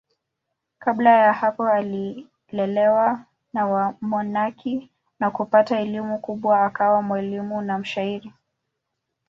Kabla ya hapo alilelewa na wamonaki na kupata elimu kubwa akawa mwalimu na mshairi.